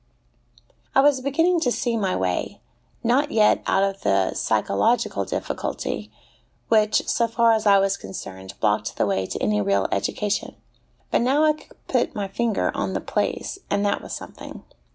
I was beginning to see my way not yet out of the psychological difficulty, which, so far as I was concerned, blocked the way to any real education ; but now I could put my finger on the place, and that was something.